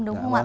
đúng không ạ